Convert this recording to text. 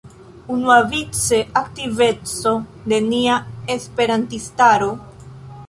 Unuavice aktiveco de nia esperantistaro.